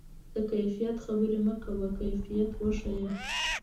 د کیفیت خبرې مه کوه، کیفیت وښیه.